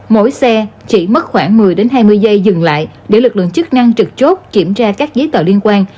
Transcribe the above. mỗi xe chỉ mất khoảng một mươi hai mươi giây dừng lại để lực lượng chức năng trực chốt kiểm tra các giấy tờ liên quan